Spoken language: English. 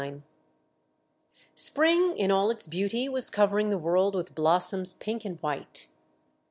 XXIX Spring in all its beauty was covering the world with blossoms pink and white.